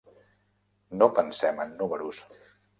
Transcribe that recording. No pensem en números.